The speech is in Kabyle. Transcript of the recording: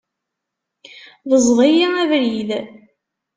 Beẓẓed-iyi abrid!